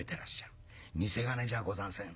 偽金じゃござんせん。